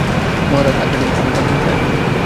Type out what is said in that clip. মহারাজ, আজ্ঞা দিন, আমি ঠাকুরানীকে আনিতে যাই।